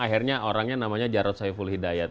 akhirnya orangnya namanya jarod saiful hidayat